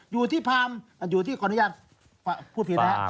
อยู่ที่พรามอยู่ที่ขออนุญาตพูดผิดนะครับ